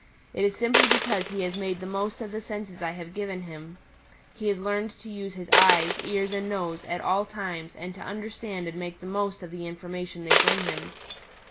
It is simply because he has made the most of the senses I have given him. He has learned to use his eyes, ears and nose at all times and to understand and make the most of the information they bring him.